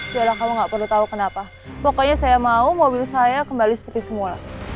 biarlah kamu gak perlu tahu kenapa pokoknya saya mau mobil saya kembali seperti semula